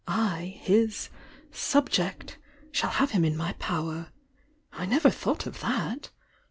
"I,— his 'subject'— shall have him in my power! I never thought of that!